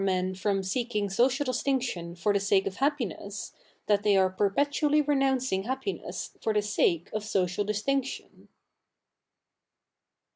ien from seeking social distinction for the sake of happiness, that they are perpetually renou7icing happiness for the sake of social distinction.